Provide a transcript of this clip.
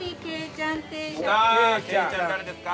けいちゃん誰ですか？